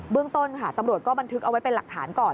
เรื่องต้นค่ะตำรวจก็บันทึกเอาไว้เป็นหลักฐานก่อน